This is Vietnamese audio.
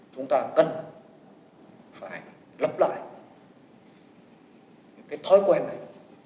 chúng ta cần phải lập lại những cái thói quen này